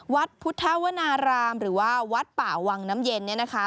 วัดพุทธวนารามหรือว่าวัดป่าวังน้ำเย็นเนี่ยนะคะ